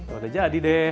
udah jadi deh